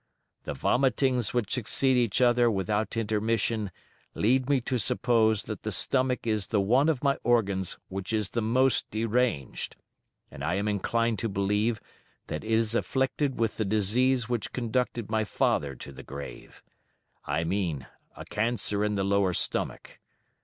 The vomitings which succeed each other without intermission lead me to suppose that the stomach is the one of my organs which is the most deranged, and I am inclined to believe that it is affected with the disease which conducted my father to the grave, I mean a cancer in the lower stomach.